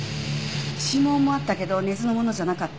指紋もあったけど根津のものじゃなかった。